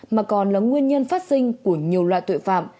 mà còn là nguyên nhân phát sinh của nhiều loại tội phạm